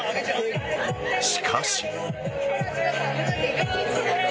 しかし。